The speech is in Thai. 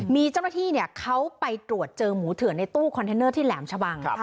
มีเจ้าหน้าที่เขาไปตรวจเจอหมูเถื่อนในตู้คอนเทนเนอร์ที่แหลมชะบัง